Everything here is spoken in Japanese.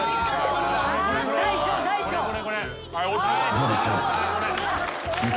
「どうでしょう？」